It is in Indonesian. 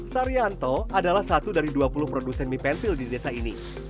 saryanto adalah satu dari dua puluh produsen mie pentil di desa ini